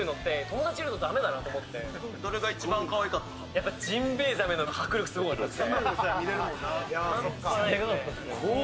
やっぱジンベエザメの迫力すごかったです。